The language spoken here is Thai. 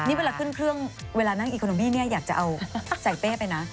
นี่เวลาขึ้นเครื่องเวลานั่งอีโคโนบี้เนี่ยอยากจะเอาใส่เป้ไปนะ